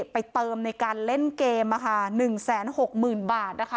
ไปเติมในการเล่นเกม๑๖๐๐๐บาทนะคะ